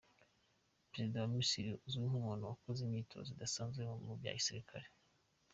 Perezida wa Misiri azwi nk’umuntu wakoze imyitozo idasanzwe mu bya gisirikare.